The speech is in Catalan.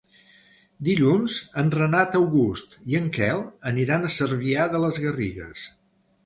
Dilluns en Renat August i en Quel aniran a Cervià de les Garrigues.